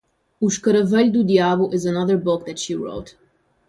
O escaravelho do diabo is another book that she wrote.